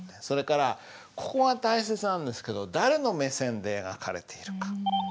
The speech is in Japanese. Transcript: それからここが大切なんですけど誰の目線で描かれているか？